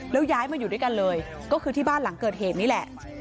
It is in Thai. แล้วย้ายมาอยู่ด้วยกันเลยก็คือที่บ้านหลังเกิดเหตุนี่แหละ